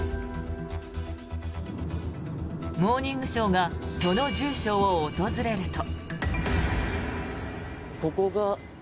「モーニングショー」がその住所を訪れると。